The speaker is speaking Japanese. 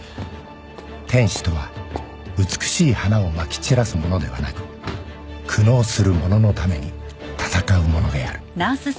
「天使とは美しい花を撒き散らす者ではなく苦悩する者のために戦う者である」